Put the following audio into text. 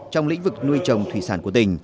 trong lĩnh vực nuôi trồng thủy sản của tỉnh